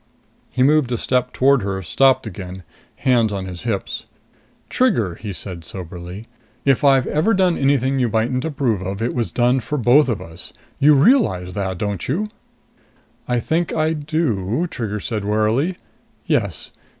He moved a step toward her, stopped again, hands on his hips. "Trigger," he said soberly, "if I've ever done anything you mightn't approve of, it was done for both of us. You realize that, don't you?" "I think I do," Trigger said warily. "Yes.